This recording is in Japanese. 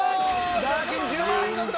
賞金１０万円獲得。